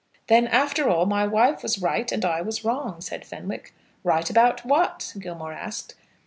"Then, after all, my wife was right and I was wrong," said Fenwick. "Right about what?" Gilmore asked.